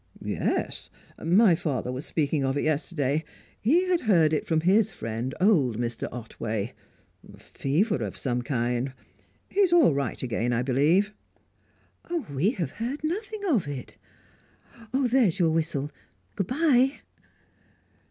"Yes. My father was speaking of it yesterday. He had heard it from his friend, old Mr. Otway. A fever of some kind. He's all right again, I believe." "We have heard nothing of it. There's your whistle. Good bye!"